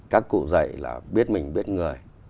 các cụ dạy là biết mình biết người